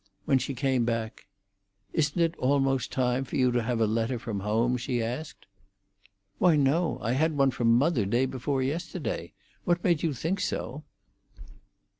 When she came back, "Isn't it almost time for you to have a letter from home?" she asked. "Why, no. I had one from mother day before yesterday. What made you think so?"